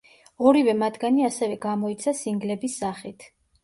ორივე მათგანი ასევე გამოიცა სინგლების სახით.